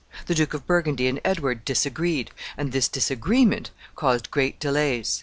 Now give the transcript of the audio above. The Duke of Burgundy and Edward disagreed, and this disagreement caused great delays.